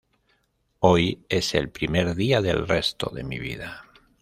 Hoy es el primer día del resto de mi vida